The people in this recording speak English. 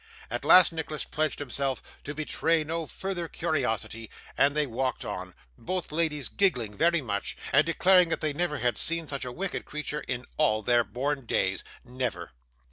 At last Nicholas pledged himself to betray no further curiosity, and they walked on: both ladies giggling very much, and declaring that they never had seen such a wicked creature in all their born days never.